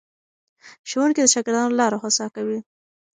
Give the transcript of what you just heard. ښوونکي د شاګردانو لاره هوسا کوي.